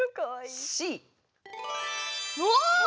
お！